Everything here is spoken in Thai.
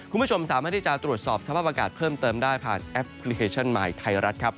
คุณผู้ชมสามารถที่จะตรวจสอบสภาพอากาศเพิ่มเติมได้ผ่านแอปพลิเคชันใหม่ไทยรัฐครับ